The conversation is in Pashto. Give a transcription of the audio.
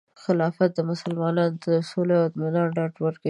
خلافت مسلمانانو ته د سولې او اطمینان ډاډ ورکوي.